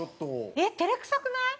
えっ照れくさくない？